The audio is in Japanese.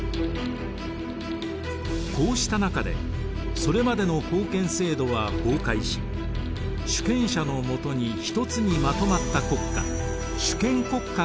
こうした中でそれまでの封建制度は崩壊し主権者のもとに一つにまとまった国家主権国家が生まれます。